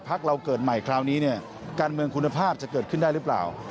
เราเกิดใหม่คราวนี้เนี่ยการเมืองคุณภาพจะเกิดขึ้นได้หรือเปล่า